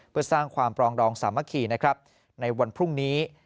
เพื่อสร้างความปรองดองสามัคคีนะครับในวันพรุ่งนี้